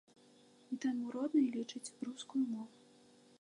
І таму роднай лічыць рускую мову.